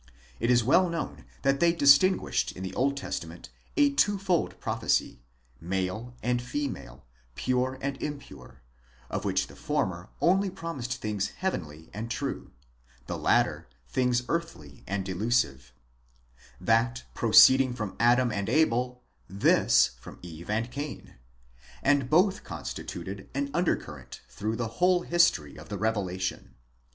~ It is well known that they distinguished in the. Old Testament a twofold prophecy, male and female, pure and impure, of which the former only promised things heavenly and true, the latter things earthly and delusive ; that proceeding from Adam and Abel, this from Eve and Cain ; and both constituted an under current through the whole history of the revelation.